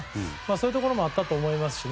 そういうところもあったと思いますし。